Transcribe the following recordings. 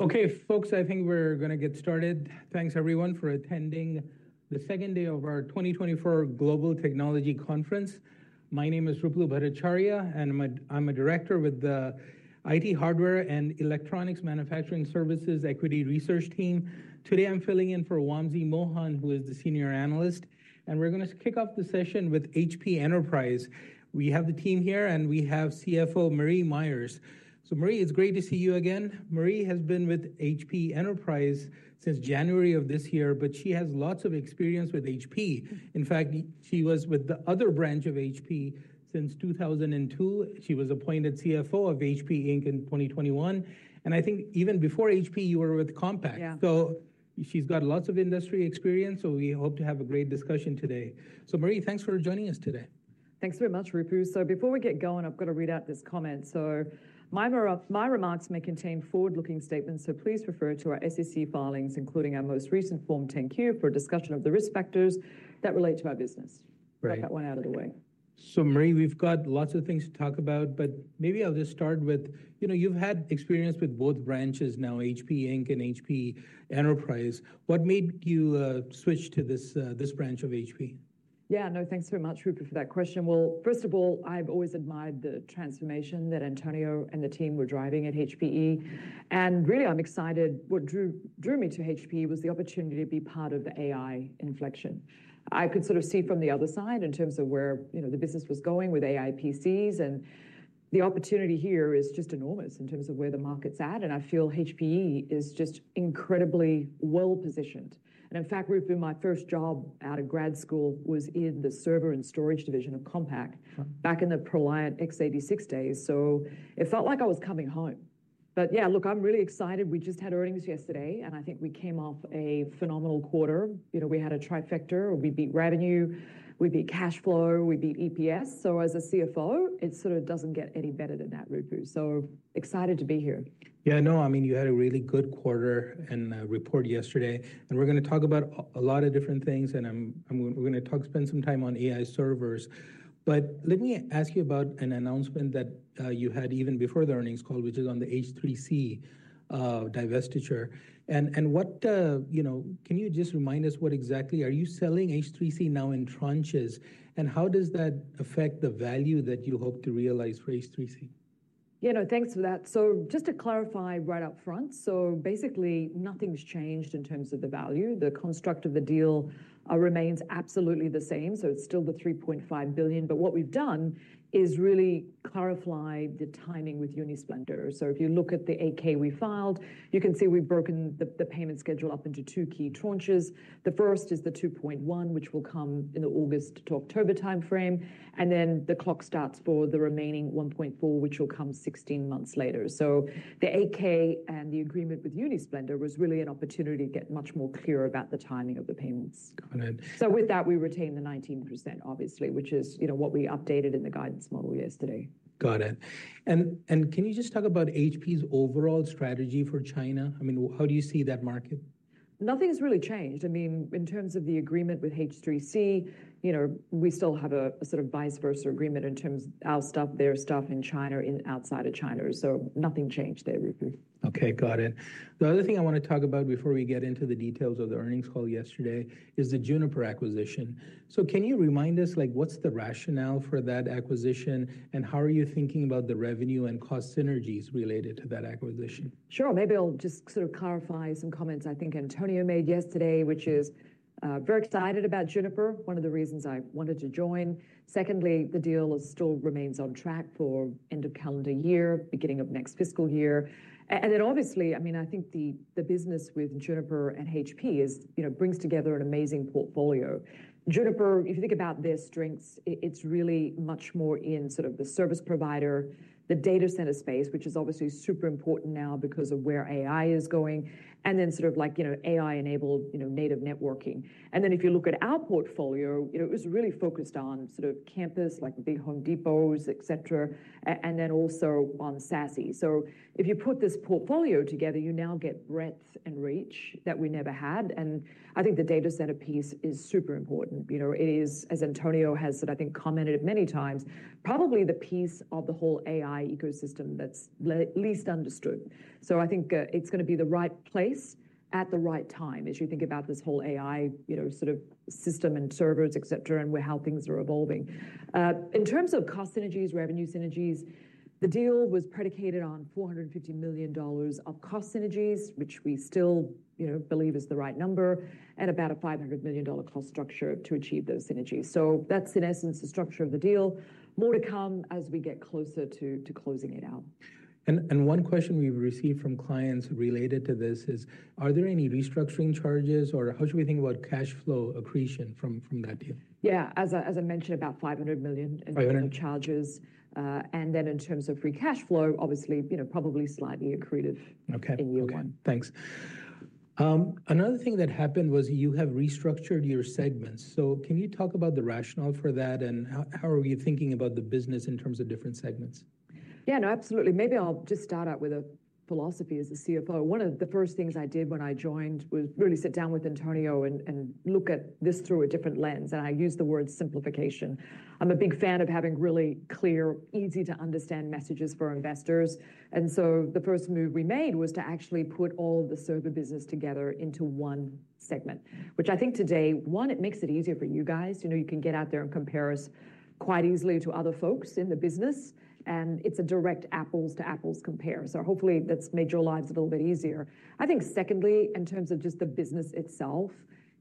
Okay, folks, I think we're gonna get started. Thanks everyone for attending the second day of our 2024 Global Technology Conference. My name is Ruplu Bhattacharya, and I'm a director with the IT Hardware and Electronics Manufacturing Services Equity Research Team. Today, I'm filling in for Wamsi Mohan, who is the senior analyst, and we're gonna kick off the session with HP Enterprise. We have the team here, and we have CFO Marie Myers. So Marie, it's great to see you again. Marie has been with HP Enterprise since January of this year, but she has lots of experience with HP. In fact, she was with the other branch of HP since 2002. She was appointed CFO of HP Inc. in 2021, and I think even before HP, you were with Compaq. Yeah. So she's got lots of industry experience, so we hope to have a great discussion today. So Marie, thanks for joining us today. Thanks very much, Ruplu. So before we get going, I've got to read out this comment. So my remarks may contain forward-looking statements, so please refer to our SEC filings, including our most recent Form 10-Q, for a discussion of the risk factors that relate to our business. Right. Got that one out of the way. So, Marie, we've got lots of things to talk about, but maybe I'll just start with, you know, you've had experience with both branches now, HP Inc. and HP Enterprise. What made you switch to this branch of HP? Yeah. No, thanks very much, Ruplu, for that question. Well, first of all, I've always admired the transformation that Antonio and the team were driving at HPE, and really, I'm excited. What drew me to HP was the opportunity to be part of the AI inflection. I could sort of see from the other side in terms of where, you know, the business was going with AI PCs, and the opportunity here is just enormous in terms of where the market's at, and I feel HPE is just incredibly well-positioned. And in fact, Ruplu, my first job out of grad school was in the server and storage division of Compaq. Sure Back in the ProLiant x86 days. So it felt like I was coming home. But yeah, look, I'm really excited. We just had earnings yesterday, and I think we came off a phenomenal quarter. You know, we had a trifecta, where we beat revenue, we beat cash flow, we beat EPS. So as a CFO, it sort of doesn't get any better than that, Ruplu, so excited to be here. Yeah, no, I mean, you had a really good quarter and, report yesterday, and we're gonna talk about a, a lot of different things, and I'm, and we're gonna talk, spend some time on AI servers. But let me ask you about an announcement that, you had even before the earnings call, which is on the H3C, divestiture. And, and what, you know, can you just remind us what exactly are you selling H3C now in tranches, and how does that affect the value that you hope to realize for H3C? Yeah, no, thanks for that. So just to clarify right up front, so basically, nothing's changed in terms of the value. The construct of the deal remains absolutely the same, so it's still $3.5 billion. But what we've done is really clarified the timing with Unisplendour. So if you look at the 8-K we filed, you can see we've broken the payment schedule up into two key tranches. The first is the $2.1 billion, which will come in the August to October timeframe, and then the clock starts for the remaining $1.4 billion, which will come 16 months later. So the 8-K and the agreement with Unisplendour was really an opportunity to get much more clear about the timing of the payments. Got it. With that, we retain the 19%, obviously, which is, you know, what we updated in the guidance model yesterday. Got it. And can you just talk about HP's overall strategy for China? I mean, how do you see that market? Nothing has really changed. I mean, in terms of the agreement with H3C, you know, we still have a sort of vice versa agreement in terms of our stuff, their stuff in China, outside of China. So nothing changed there, Ruplu. Okay, got it. The other thing I want to talk about before we get into the details of the earnings call yesterday, is the Juniper acquisition. So can you remind us, like, what's the rationale for that acquisition, and how are you thinking about the revenue and cost synergies related to that acquisition? Sure, maybe I'll just sort of clarify some comments I think Antonio made yesterday, which is very excited about Juniper, one of the reasons I wanted to join. Secondly, the deal still remains on track for end of calendar year, beginning of next fiscal year. And then obviously, I mean, I think the business with Juniper and HP is, you know, brings together an amazing portfolio. Juniper, if you think about their strengths, it's really much more in sort of the service provider, the data center space, which is obviously super important now because of where AI is going, and then sort of like, you know, AI-enabled, you know, native networking. And then if you look at our portfolio, you know, it was really focused on sort of campus, like the big Home Depots, etc., and then also on SASE. So if you put this portfolio together, you now get breadth and reach that we never had, and I think the data center piece is super important. You know, it is, as Antonio has said, I think, commented many times, probably the piece of the whole AI ecosystem that's least understood. So I think, it's gonna be the right place at the right time, as you think about this whole AI, you know, sort of system and servers, et cetera, and where how things are evolving. In terms of cost synergies, revenue synergies, the deal was predicated on $450 million of cost synergies, which we still, you know, believe is the right number, and about a $500 million cost structure to achieve those synergies. So that's in essence, the structure of the deal. More to come as we get closer to closing it out. One question we've received from clients related to this is: Are there any restructuring charges, or how should we think about cash flow accretion from that deal? Yeah, as I mentioned, about $500 million- Five hundred... in charges, and then in terms of free cash flow, obviously, you know, probably slightly accretive- Okay in year one. Okay, thanks. Another thing that happened was you have restructured your segments. So can you talk about the rationale for that, and how, how are you thinking about the business in terms of different segments? Yeah, no, absolutely. Maybe I'll just start out with a philosophy as a CFO, one of the first things I did when I joined was really sit down with Antonio and, and look at this through a different lens, and I use the word simplification. I'm a big fan of having really clear, easy-to-understand messages for our investors. And so the first move we made was to actually put all of the server business together into one segment, which I think today, one, it makes it easier for you guys. You know, you can get out there and compare us quite easily to other folks in the business, and it's a direct apples-to-apples compare. So hopefully, that's made your lives a little bit easier. I think secondly, in terms of just the business itself,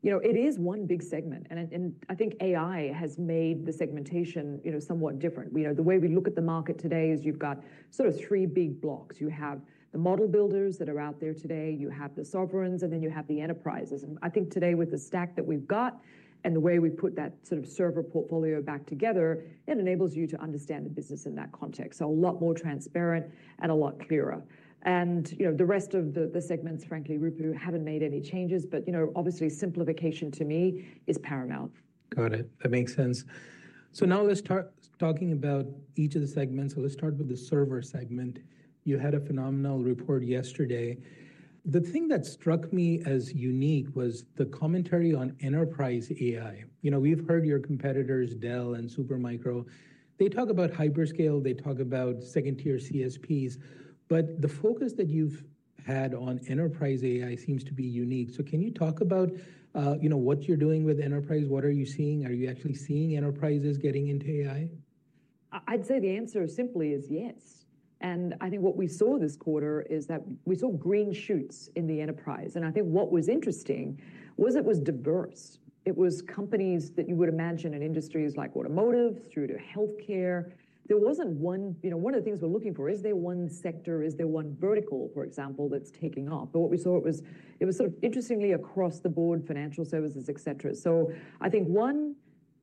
you know, it is one big segment, and I think AI has made the segmentation, you know, somewhat different. You know, the way we look at the market today is you've got sort of three big blocks. You have the model builders that are out there today, you have the sovereigns, and then you have the enterprises. And I think today with the stack that we've got and the way we put that sort of server portfolio back together, it enables you to understand the business in that context. So a lot more transparent and a lot clearer. And, you know, the rest of the, the segments, frankly, Ruplu, haven't made any changes, but, you know, obviously, simplification to me is paramount. Got it. That makes sense. So now let's start talking about each of the segments. So let's start with the server segment. You had a phenomenal report yesterday. The thing that struck me as unique was the commentary on enterprise AI. You know, we've heard your competitors, Dell and Supermicro, they talk about hyperscale, they talk about second-tier CSPs, but the focus that you've had on enterprise AI seems to be unique. So can you talk about, you know, what you're doing with enterprise? What are you seeing? Are you actually seeing enterprises getting into AI? I, I'd say the answer simply is yes. I think what we saw this quarter is that we saw green shoots in the enterprise, and I think what was interesting was it was diverse. It was companies that you would imagine in industries like automotive through to healthcare. There wasn't one... You know, one of the things we're looking for, is there one sector, is there one vertical, for example, that's taking off? But what we saw it was, it was sort of interestingly across the board, financial services, etcetera. So I think one,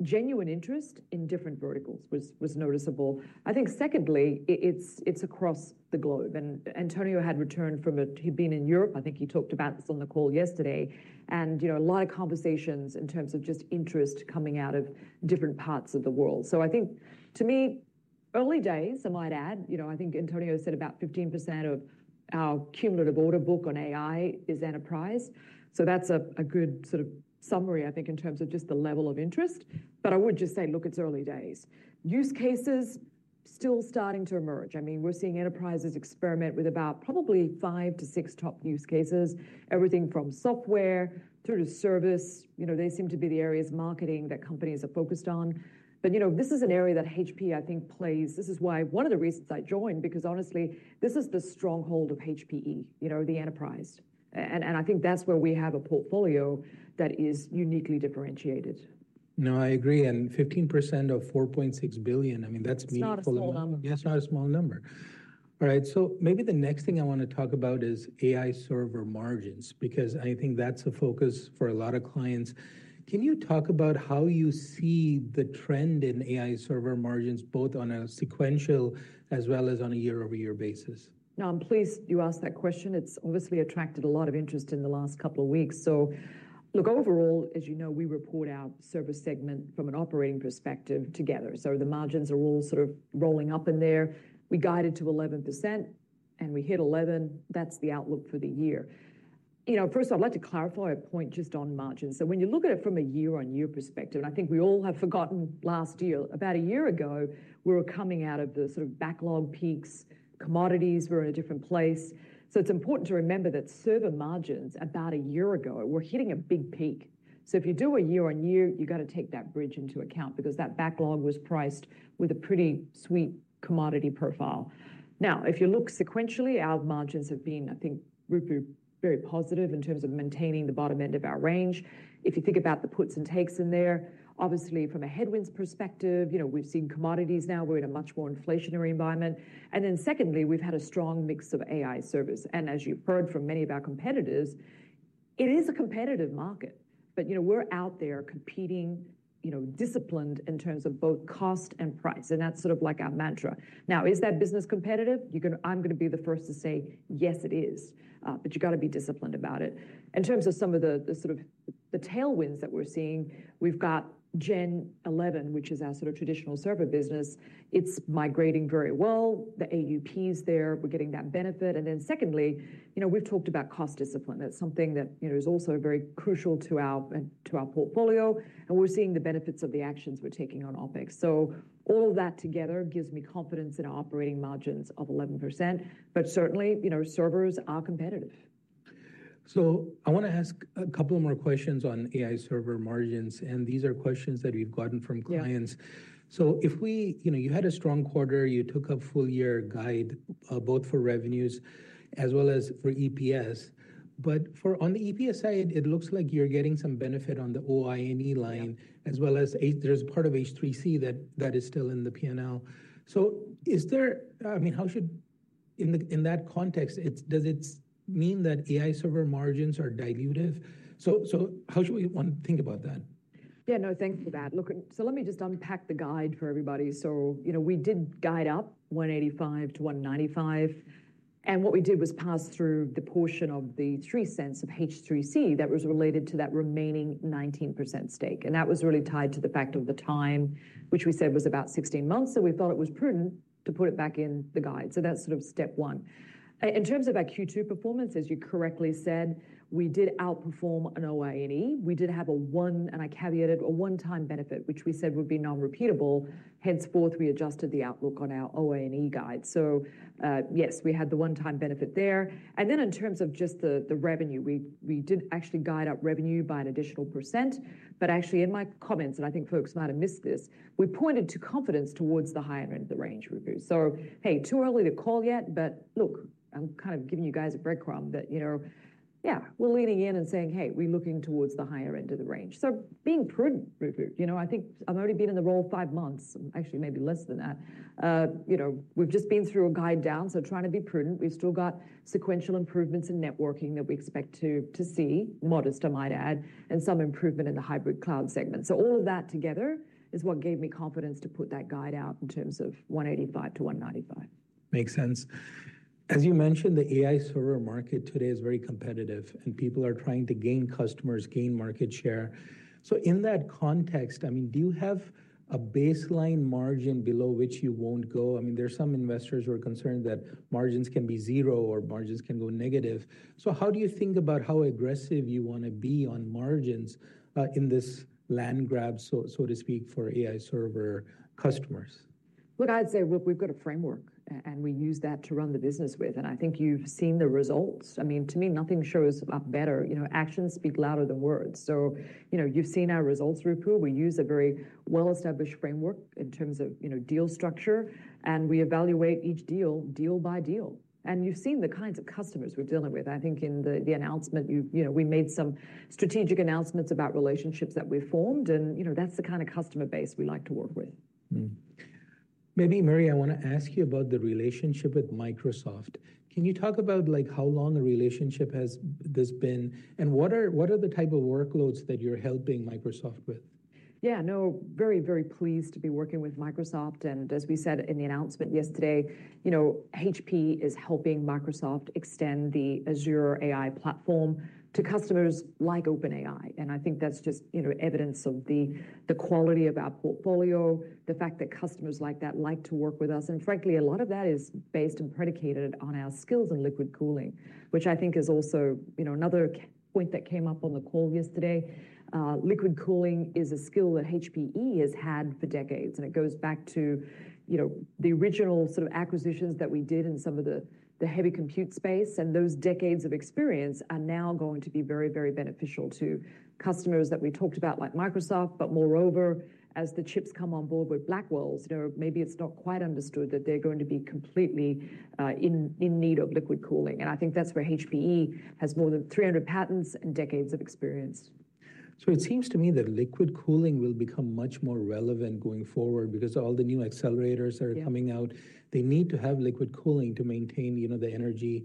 genuine interest in different verticals was noticeable. I think secondly, it's across the globe, and Antonio had returned from a-- He'd been in Europe. I think he talked about this on the call yesterday, and, you know, a lot of conversations in terms of just interest coming out of different parts of the world. So I think to me, early days, I might add, you know, I think Antonio said about 15% of our cumulative order book on AI is enterprise. So that's a, a good sort of summary, I think, in terms of just the level of interest. But I would just say, look, it's early days. Use cases still starting to emerge. I mean, we're seeing enterprises experiment with about probably 5-6 top use cases, everything from software through to service. You know, they seem to be the areas marketing that companies are focused on. But, you know, this is an area that HPE, I think, plays. This is why one of the reasons I joined, because honestly, this is the stronghold of HPE, you know, the enterprise. And I think that's where we have a portfolio that is uniquely differentiated. No, I agree, and 15% of $4.6 billion, I mean, that's meaningful. It's not a small number. Yeah, it's not a small number. All right, so maybe the next thing I want to talk about is AI server margins, because I think that's a focus for a lot of clients. Can you talk about how you see the trend in AI server margins, both on a sequential as well as on a year-over-year basis? Now, I'm pleased you asked that question. It's obviously attracted a lot of interest in the last couple of weeks. So look, overall, as you know, we report our server segment from an operating perspective together. So the margins are all sort of rolling up in there. We guided to 11%, and we hit 11. That's the outlook for the year. You know, first of all, I'd like to clarify a point just on margins. So when you look at it from a year-on-year perspective, and I think we all have forgotten last year, about a year ago, we were coming out of the sort of backlog peaks. Commodities were in a different place. So it's important to remember that server margins about a year ago were hitting a big peak. So if you do a year-on-year, you got to take that bridge into account because that backlog was priced with a pretty sweet commodity profile. Now, if you look sequentially, our margins have been, I think, Ruplu, very positive in terms of maintaining the bottom end of our range. If you think about the puts and takes in there, obviously from a headwinds perspective, you know, we've seen commodities now, we're in a much more inflationary environment. And then secondly, we've had a strong mix of AI servers. And as you've heard from many of our competitors, it is a competitive market. But, you know, we're out there competing, you know, disciplined in terms of both cost and price, and that's sort of like our mantra. Now, is that business competitive? You're gonna, I'm gonna be the first to say, yes, it is, but you got to be disciplined about it. In terms of some of the sort of tailwinds that we're seeing, we've got Gen11, which is our sort of traditional server business. It's migrating very well. The AUP is there. We're getting that benefit, and then secondly, you know, we've talked about cost discipline. That's something that, you know, is also very crucial to our portfolio, and we're seeing the benefits of the actions we're taking on OpEx. So all of that together gives me confidence in operating margins of 11%, but certainly, you know, servers are competitive. I want to ask a couple more questions on AI server margins, and these are questions that we've gotten from clients. Yeah. So if we... You know, you had a strong quarter, you took a full year guide, both for revenues as well as for EPS. But for, on the EPS side, it looks like you're getting some benefit on the OI&E line. Yeah... as well as H, there's part of H3C that is still in the P&L. So is there—I mean, how should, in that context, it's, does it mean that AI server margins are dilutive? So how should we, one, think about that? Yeah, no, thanks for that. Look, so let me just unpack the guide for everybody. So, you know, we did guide up $1.85-$1.95, and what we did was pass through the portion of the $0.03 of H3C that was related to that remaining 19% stake. And that was really tied to the fact of the time, which we said was about 16 months, so we thought it was prudent to put it back in the guide. So that's sort of step one. In terms of our Q2 performance, as you correctly said, we did outperform on OI&E. We did have a $0.01, and I caveated, a one-time benefit, which we said would be non-repeatable. Henceforth, we adjusted the outlook on our OINE guide. So, yes, we had the one-time benefit there. Then in terms of just the revenue, we did actually guide up revenue by an additional 1%. But actually, in my comments, and I think folks might have missed this, we pointed to confidence towards the higher end of the range, Ruplu. So, hey, too early to call yet, but look, I'm kind of giving you guys a breadcrumb that, you know, yeah, we're leaning in and saying, "Hey, we're looking towards the higher end of the range." So being prudent, Ruplu, you know, I think I've only been in the role five months, actually, maybe less than that. You know, we've just been through a guide down, so trying to be prudent. We've still got sequential improvements in networking that we expect to see, modest, I might add, and some improvement in the hybrid cloud segment. All of that together is what gave me confidence to put that guide out in terms of $185-$195. Makes sense. As you mentioned, the AI server market today is very competitive, and people are trying to gain customers, gain market share. So in that context, I mean, do you have a baseline margin below which you won't go? I mean, there are some investors who are concerned that margins can be zero or margins can go negative. So how do you think about how aggressive you want to be on margins, in this land grab, so, so to speak, for AI server customers? What I'd say, Ruplu, we've got a framework, and we use that to run the business with, and I think you've seen the results. I mean, to me, nothing shows up better. You know, actions speak louder than words. So, you know, you've seen our results, Ruplu. We use a very well-established framework in terms of, you know, deal structure, and we evaluate each deal, deal by deal. You've seen the kinds of customers we're dealing with. I think in the announcement, you know, we made some strategic announcements about relationships that we've formed, and, you know, that's the kind of customer base we like to work with. Mm-hmm. Maybe, Marie, I want to ask you about the relationship with Microsoft. Can you talk about, like, how long a relationship has this been, and what are, what are the type of workloads that you're helping Microsoft with? Yeah, no, very, very pleased to be working with Microsoft. And as we said in the announcement yesterday, you know, HPE is helping Microsoft extend the Azure AI platform to customers like OpenAI, and I think that's just, you know, evidence of the, the quality of our portfolio, the fact that customers like that like to work with us, and frankly, a lot of that is based and predicated on our skills in liquid cooling, which I think is also, you know, another key point that came up on the call yesterday. Liquid cooling is a skill that HPE has had for decades, and it goes back to, you know, the original sort of acquisitions that we did in some of the, the heavy compute space, and those decades of experience are now going to be very, very beneficial to customers that we talked about, like Microsoft. But moreover, as the chips come on board with Blackwell, you know, maybe it's not quite understood that they're going to be completely in need of liquid cooling, and I think that's where HPE has more than 300 patents and decades of experience. It seems to me that liquid cooling will become much more relevant going forward because all the new accelerators are- Yeah... coming out. They need to have liquid cooling to maintain, you know, the energy,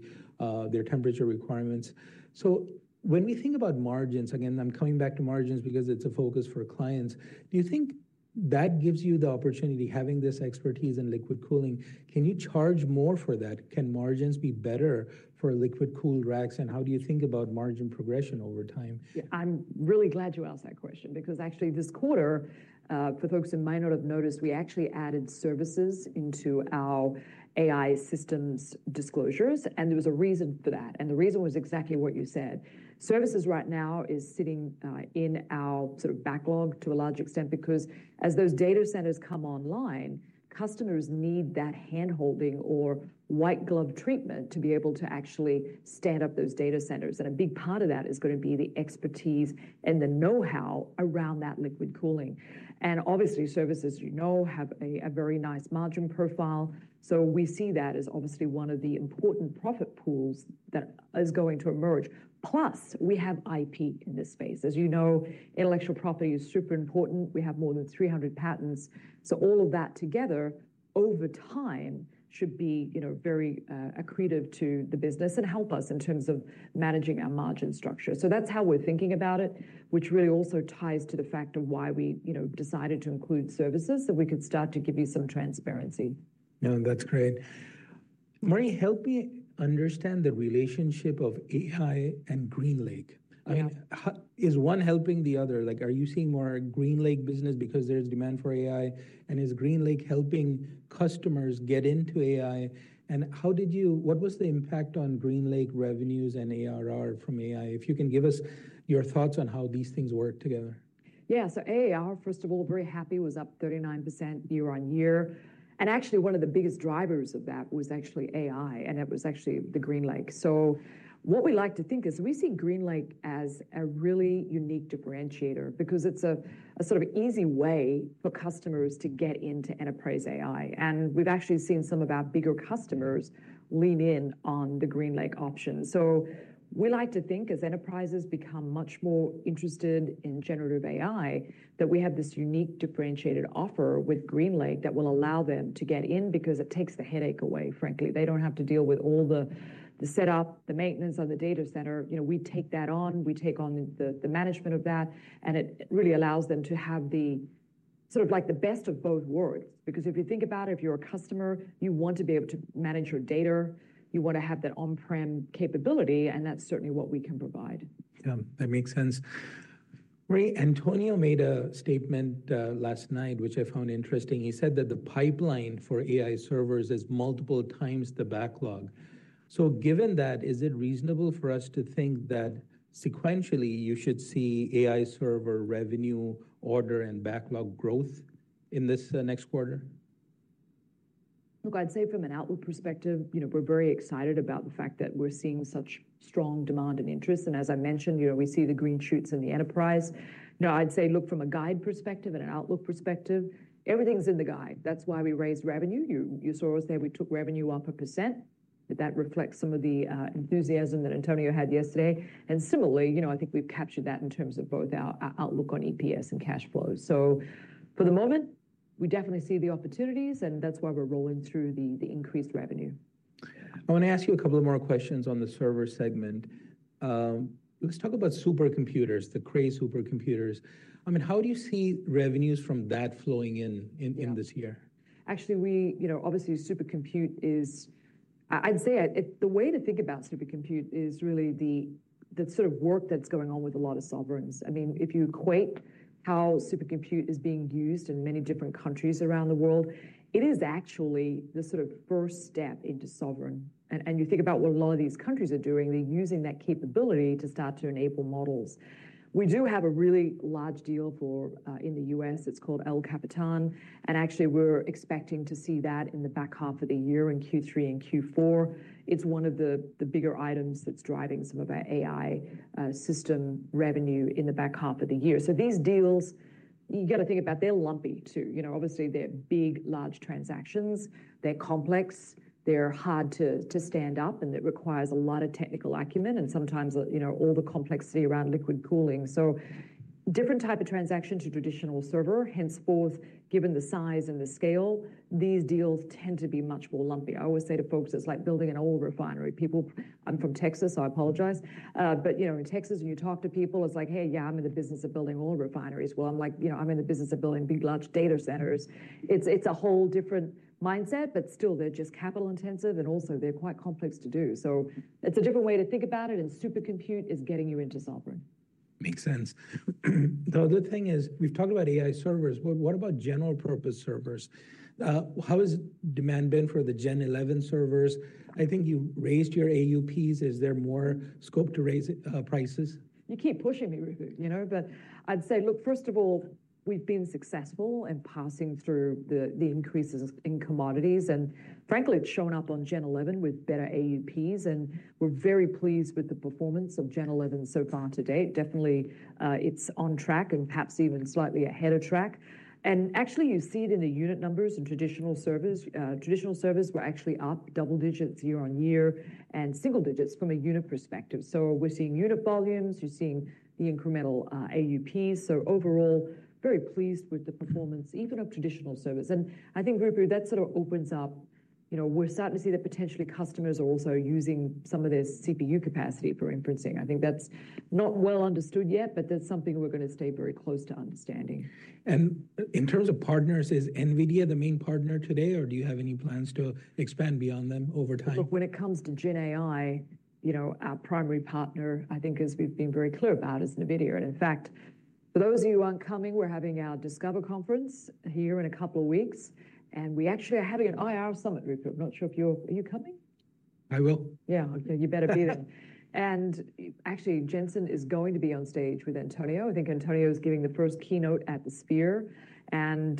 their temperature requirements. So when we think about margins, again, I'm coming back to margins because it's a focus for clients, do you think that gives you the opportunity, having this expertise in liquid cooling, can you charge more for that? Can margins be better for liquid-cooled racks, and how do you think about margin progression over time? Yeah, I'm really glad you asked that question because actually this quarter, for folks who might not have noticed, we actually added services into our AI systems disclosures, and there was a reason for that, and the reason was exactly what you said. Services right now is sitting in our sort of backlog to a large extent because as those data centers come online, customers need that handholding or white glove treatment to be able to actually stand up those data centers, and a big part of that is gonna be the expertise and the know-how around that liquid cooling. And obviously, services, you know, have a very nice margin profile, so we see that as obviously one of the important profit pools that is going to emerge. Plus, we have IP in this space. As you know, intellectual property is super important. We have more than 300 patents. So all of that together, over time, should be, you know, very, accretive to the business and help us in terms of managing our margin structure. So that's how we're thinking about it, which really also ties to the fact of why we, you know, decided to include services, so we could start to give you some transparency. No, that's great. Marie, help me understand the relationship of AI and GreenLake. Yeah. I mean, how is one helping the other? Like, are you seeing more GreenLake business because there's demand for AI? And is GreenLake helping customers get into AI? And what was the impact on GreenLake revenues and ARR from AI? If you can give us your thoughts on how these things work together. Yeah, so ARR, first of all, very happy, was up 39% year-on-year. And actually, one of the biggest drivers of that was actually AI, and it was actually the GreenLake. So what we like to think is we see GreenLake as a really unique differentiator because it's a, a sort of easy way for customers to get into enterprise AI. And we've actually seen some of our bigger customers lean in on the GreenLake option. So we like to think, as enterprises become much more interested in generative AI, that we have this unique, differentiated offer with GreenLake that will allow them to get in because it takes the headache away, frankly. They don't have to deal with all the, the setup, the maintenance of the data center. You know, we take that on, we take on the management of that, and it really allows them to have the sort of like the best of both worlds. Because if you think about it, if you're a customer, you want to be able to manage your data, you want to have that on-prem capability, and that's certainly what we can provide. Yeah, that makes sense. Marie, Antonio made a statement last night, which I found interesting. He said that the pipeline for AI servers is multiple times the backlog. So given that, is it reasonable for us to think that sequentially you should see AI server revenue, order, and backlog growth in this next quarter? Look, I'd say from an outlook perspective, you know, we're very excited about the fact that we're seeing such strong demand and interest, and as I mentioned, you know, we see the green shoots in the enterprise. Now, I'd say, look, from a guide perspective and an outlook perspective, everything's in the guide. That's why we raised revenue. You saw us there, we took revenue up 1%. But that reflects some of the enthusiasm that Antonio had yesterday, and similarly, you know, I think we've captured that in terms of both our outlook on EPS and cash flows. So for the moment, we definitely see the opportunities, and that's why we're rolling through the increased revenue. I want to ask you a couple of more questions on the server segment. Let's talk about supercomputers, the Cray supercomputers. I mean, how do you see revenues from that flowing in this year? Actually, we, you know, obviously, supercomputing is. I'd say it, the way to think about supercomputing is really the sort of work that's going on with a lot of sovereigns. I mean, if you equate how supercomputing is being used in many different countries around the world, it is actually the sort of first step into sovereign. And you think about what a lot of these countries are doing, they're using that capability to start to enable models. We do have a really large deal for in the U.S., it's called El Capitan, and actually, we're expecting to see that in the back half of the year, in Q3 and Q4. It's one of the bigger items that's driving some of our AI system revenue in the back half of the year. So these deals, you got to think about, they're lumpy, too. You know, obviously, they're big, large transactions, they're complex, they're hard to, to stand up, and it requires a lot of technical acumen, and sometimes, you know, all the complexity around liquid cooling. So different type of transaction to traditional server, hence both, given the size and the scale, these deals tend to be much more lumpy. I always say to folks, it's like building an oil refinery. People—I'm from Texas, I apologize. But you know, in Texas, you talk to people, it's like, "Hey, yeah, I'm in the business of building oil refineries." Well, I'm like, "You know, I'm in the business of building big, large data centers." It's, it's a whole different mindset, but still, they're just capital intensive, and also they're quite complex to do. So it's a different way to think about it, and supercomputing is getting you into sovereign. Makes sense. The other thing is, we've talked about AI servers, but what about general-purpose servers? How has demand been for the Gen Eleven servers? I think you raised your AUPs. Is there more scope to raise prices? You keep pushing me, Ruplu, you know? But I'd say, look, first of all, we've been successful in passing through the increases in commodities, and frankly, it's shown up on Gen Eleven with better AUPs, and we're very pleased with the performance of Gen Eleven so far to date. Definitely, it's on track and perhaps even slightly ahead of track. And actually, you see it in the unit numbers in traditional servers. Traditional servers were actually up double digits year-over-year, and single digits from a unit perspective. So we're seeing unit volumes, you're seeing the incremental AUPs. So overall, very pleased with the performance, even of traditional servers. And I think, Ruplu, that sort of opens up, you know, we're starting to see that potentially customers are also using some of their CPU capacity for inferencing. I think that's not well understood yet, but that's something we're going to stay very close to understanding. In terms of partners, is NVIDIA the main partner today, or do you have any plans to expand beyond them over time? Look, when it comes to Gen AI, you know, our primary partner, I think, as we've been very clear about, is NVIDIA, and in fact, for those of you who aren't coming, we're having our Discover conference here in a couple of weeks, and we actually are having an IR summit, Ruplu. I'm not sure if you're... Are you coming? I will. Yeah, okay. You better be there. And actually, Jensen is going to be on stage with Antonio. I think Antonio is giving the first keynote at Sphere, and,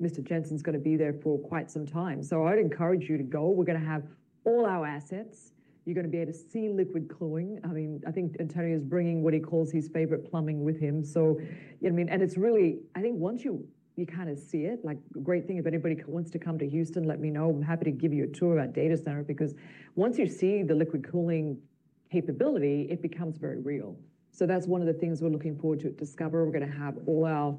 Mr. Jensen's gonna be there for quite some time. So I'd encourage you to go. We're gonna have all our assets. You're gonna be able to see liquid cooling. I mean, I think Antonio's bringing what he calls his favorite plumbing with him, so... I mean, and it's really—I think once you kind of see it, like, a great thing, if anybody wants to come to Houston, let me know. I'm happy to give you a tour of our data center, because once you see the liquid cooling capability, it becomes very real. So that's one of the things we're looking forward to at Discover. We're gonna have all our,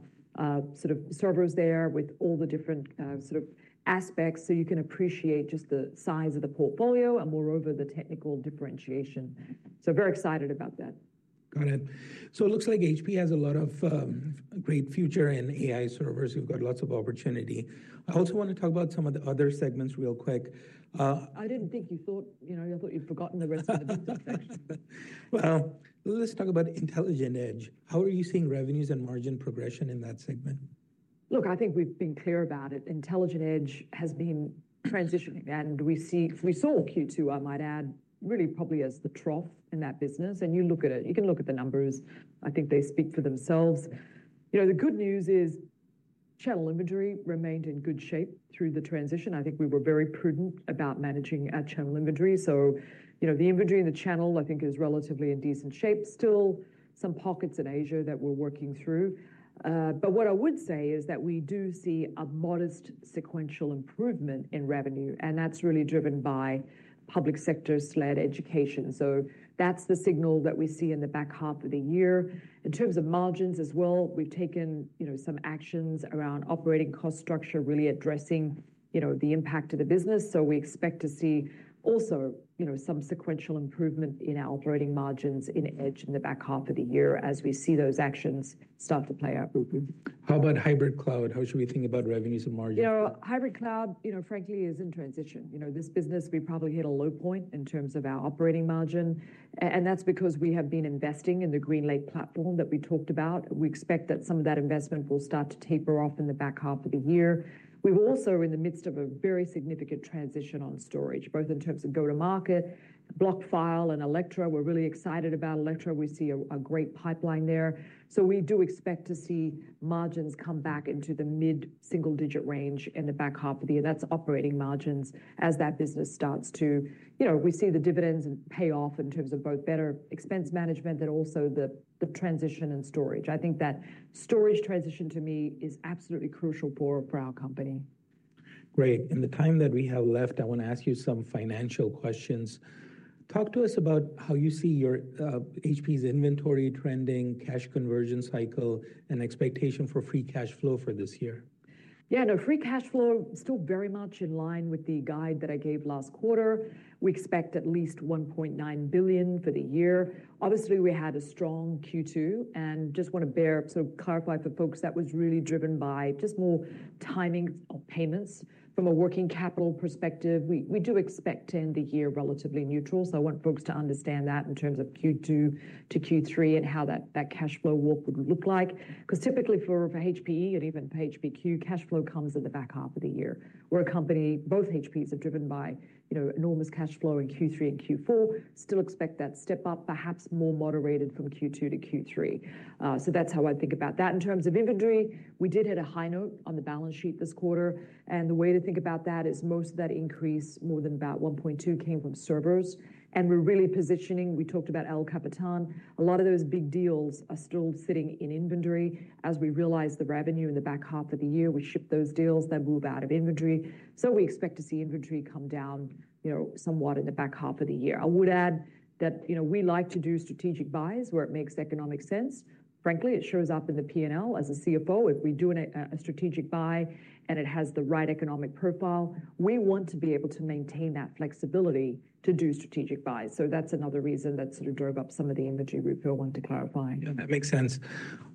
sort of servers there with all the different, sort of aspects, so you can appreciate just the size of the portfolio and moreover, the technical differentiation. So very excited about that. Got it. So it looks like HPE has a lot of great future in AI servers. You've got lots of opportunity. I also want to talk about some of the other segments real quick. I didn't think you thought, you know, I thought you'd forgotten the rest of the business section. Well, let's talk about Intelligent Edge. How are you seeing revenues and margin progression in that segment? Look, I think we've been clear about it. Intelligent Edge has been transitioning, and we see, we saw Q2, I might add, really probably as the trough in that business. And you look at it, you can look at the numbers. I think they speak for themselves. You know, the good news is, Channel inventory remained in good shape through the transition. I think we were very prudent about managing our channel inventory. So, you know, the inventory in the channel, I think, is relatively in decent shape. Still some pockets in Asia that we're working through. But what I would say is that we do see a modest sequential improvement in revenue, and that's really driven by public sector-led education. So that's the signal that we see in the back half of the year. In terms of margins as well, we've taken, you know, some actions around operating cost structure, really addressing, you know, the impact to the business. So we expect to see also, you know, some sequential improvement in our operating margins in Edge in the back half of the year as we see those actions start to play out, Ruplu. How about hybrid cloud? How should we think about revenues and margin? You know, hybrid cloud, you know, frankly, is in transition. You know, this business, we probably hit a low point in terms of our operating margin, and that's because we have been investing in the GreenLake platform that we talked about. We expect that some of that investment will start to taper off in the back half of the year. We're also in the midst of a very significant transition on storage, both in terms of go-to-market, block file, and Alletra. We're really excited about Alletra. We see a great pipeline there. So we do expect to see margins come back into the mid-single-digit range in the back half of the year. That's operating margins as that business starts to... You know, we see the dividends pay off in terms of both better expense management, but also the transition in storage. I think that storage transition, to me, is absolutely crucial for our company. Great. In the time that we have left, I want to ask you some financial questions. Talk to us about how you see your HPE's inventory trending, cash conversion cycle, and expectation for free cash flow for this year. Yeah, no, free cash flow, still very much in line with the guide that I gave last quarter. We expect at least $1.9 billion for the year. Obviously, we had a strong Q2, and just want to bear, sort of clarify for folks, that was really driven by just more timing of payments. From a working capital perspective, we do expect to end the year relatively neutral, so I want folks to understand that in terms of Q2 to Q3 and how that cash flow walk would look like. Because typically, for HPE and even for HPQ, cash flow comes in the back half of the year. We're a company, both HPEs are driven by, you know, enormous cash flow in Q3 and Q4. Still expect that step-up, perhaps more moderated from Q2 to Q3. So that's how I think about that. In terms of inventory, we did hit a high note on the balance sheet this quarter, and the way to think about that is most of that increase, more than about $1.2, came from servers. We're really positioning. We talked about El Capitan. A lot of those big deals are still sitting in inventory. As we realize the revenue in the back half of the year, we ship those deals, they move out of inventory. So we expect to see inventory come down, you know, somewhat in the back half of the year. I would add that, you know, we like to do strategic buys where it makes economic sense. Frankly, it shows up in the P&L. As a CFO, if we do a strategic buy and it has the right economic profile, we want to be able to maintain that flexibility to do strategic buys. So that's another reason that sort of drove up some of the inventory, Ruplu. I wanted to clarify. Yeah, that makes sense.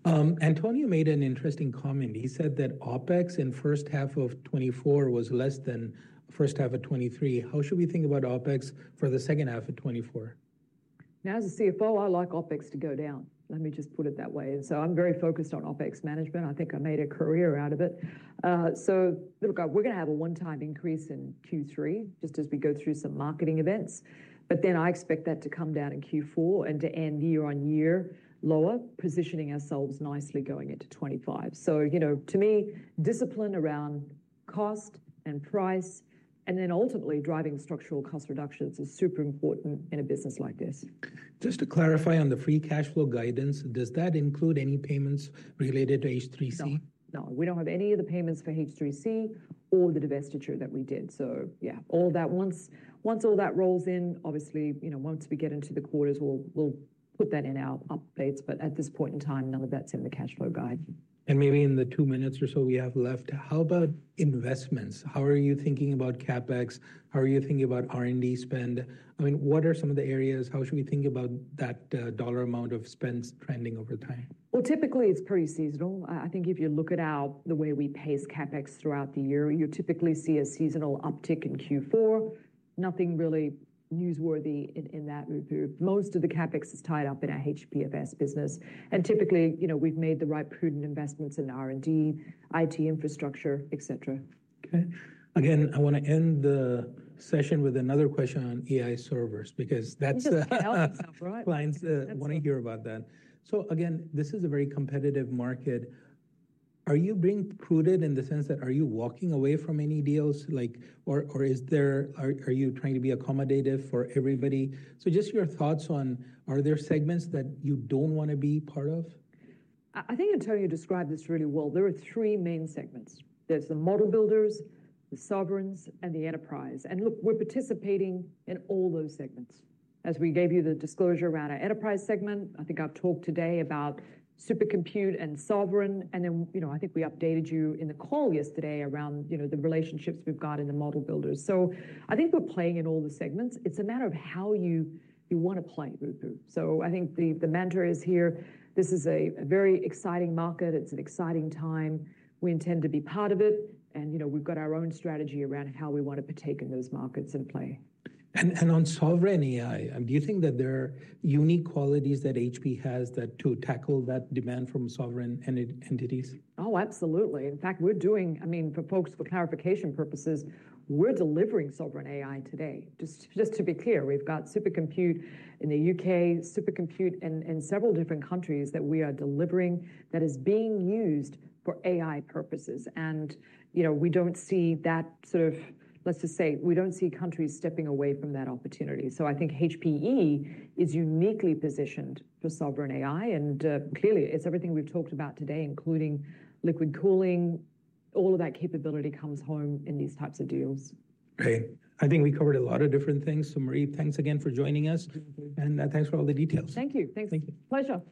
Antonio made an interesting comment. He said that OpEx in first half of 2024 was less than first half of 2023. How should we think about OpEx for the second half of 2024? Now, as a CFO, I like OpEx to go down. Let me just put it that way. So I'm very focused on OpEx management. I think I made a career out of it. So look, we're gonna have a one-time increase in Q3, just as we go through some marketing events, but then I expect that to come down in Q4 and to end year-on-year lower, positioning ourselves nicely going into 2025. So, you know, to me, discipline around cost and price, and then ultimately driving structural cost reductions is super important in a business like this. Just to clarify on the free cash flow guidance, does that include any payments related to H3C? No, no. We don't have any of the payments for H3C or the divestiture that we did. So yeah, all that, once all that rolls in, obviously, you know, once we get into the quarters, we'll put that in our updates, but at this point in time, none of that's in the cash flow guide. Maybe in the two minutes or so we have left, how about investments? How are you thinking about CapEx? How are you thinking about R&D spend? I mean, what are some of the areas? How should we think about that dollar amount of spends trending over time? Well, typically, it's pretty seasonal. I think if you look it out, the way we pace CapEx throughout the year, you typically see a seasonal uptick in Q4. Nothing really newsworthy in that, Rupu. Most of the CapEx is tied up in our HPE FS business, and typically, you know, we've made the right prudent investments in R&D, IT infrastructure, et cetera. Okay. Again, I want to end the session with another question on AI servers, because that's- We just can't help ourselves, right? Clients want to hear about that. So again, this is a very competitive market. Are you being prudent in the sense that are you walking away from any deals, like, or is there... Are you trying to be accommodative for everybody? So just your thoughts on, are there segments that you don't want to be part of? I think Antonio described this really well. There are three main segments. There's the model builders, the sovereigns, and the enterprise. And look, we're participating in all those segments. As we gave you the disclosure around our enterprise segment, I think I've talked today about supercomputing and sovereign, and then, you know, I think we updated you in the call yesterday around, you know, the relationships we've got in the model builders. So I think we're playing in all the segments. It's a matter of how you want to play, Ruplu. So I think the mantra is here, this is a very exciting market. It's an exciting time. We intend to be part of it, and, you know, we've got our own strategy around how we want to partake in those markets and play. On sovereign AI, do you think that there are unique qualities that HPE has that to tackle that demand from sovereign entities? Oh, absolutely. In fact, we're doing... I mean, for folks, for clarification purposes, we're delivering sovereign AI today. Just, just to be clear, we've got super compute in the U.K., super compute in, in several different countries that we are delivering, that is being used for AI purposes. And, you know, we don't see that sort of-- Let's just say, we don't see countries stepping away from that opportunity. So I think HPE is uniquely positioned for sovereign AI, and clearly, it's everything we've talked about today, including liquid cooling. All of that capability comes home in these types of deals. Great. I think we covered a lot of different things. So, Marie, thanks again for joining us- Thank you. Thanks for all the details. Thank you. Thanks. Thank you. Pleasure.